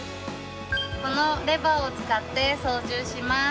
このレバーをつかって操縦します。